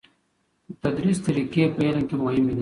د تدریس طریقی په علم کې مهمې دي.